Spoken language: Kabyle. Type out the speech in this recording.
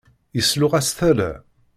Yesluɣ-as tala.